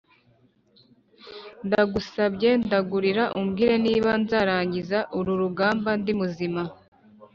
ndagusabye ndagurira umbwire niba nzarangiza uru rugamba ndi muzima"